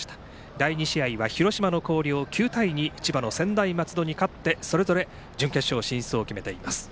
第２試合は、広島の広陵９対２、千葉の専大松戸に勝ってそれぞれ準決勝進出を決めています。